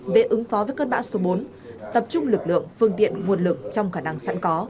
về ứng phó với cơn bão số bốn tập trung lực lượng phương tiện nguồn lực trong khả năng sẵn có